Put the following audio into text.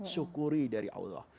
syukuri dari allah